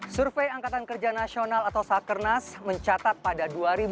survei angkatan kerja nasional atau sakernas mencatat pada dua ribu dua puluh